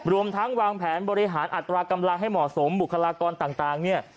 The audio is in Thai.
รวมทั้งวางแผนบริหารอัตรากำลังให้เหมาะสมบุคลากรต่างเนี่ย